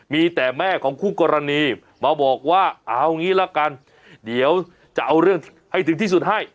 มีแต่แม่ของคู่กรณีมาบอกว่าเอางี้ละกันเดี๋ยวจะเอาเรื่องให้ถึงที่สุดให้